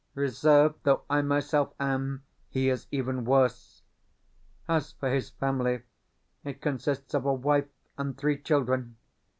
Reserved though I myself am, he is even worse. As for his family, it consists of a wife and three children.